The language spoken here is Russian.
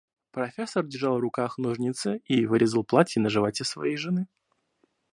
Профессор держал в руках ножницы и вырезал платье на животе своей жены.